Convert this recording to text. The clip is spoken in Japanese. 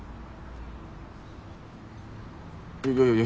いやいやいや